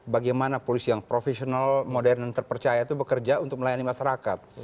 bagaimana polisi yang profesional modern dan terpercaya itu bekerja untuk melayani masyarakat